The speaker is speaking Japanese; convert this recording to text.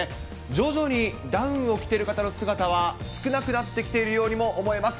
徐々にダウンを着ている方の姿は少なくなってきているようにも思えます。